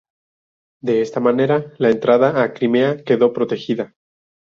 De esta manera, la entrada a Crimea quedó protegida.